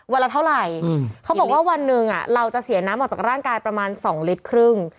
วันละเท่าไหร่เขาบอกว่าวันหนึ่งเราจะเสียน้ำออกจากร่างกายประมาณ๒ลิตรครึ่ง